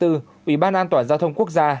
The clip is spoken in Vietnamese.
ủy ban an toàn giao thông quốc gia